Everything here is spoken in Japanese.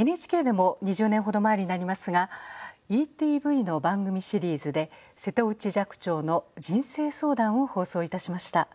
ＮＨＫでも２０年ほど前になりますがＥＴＶの番組シリーズで「瀬戸内寂聴の人生相談」を放送いたしました。